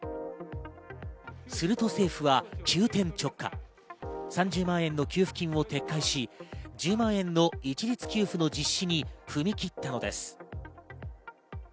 すると政府は急転直下、３０万円の給付金を撤回し１０万円の一律給付の実施に踏み切ったのです。